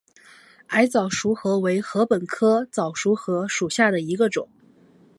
矮早熟禾为禾本科早熟禾属下的一个种。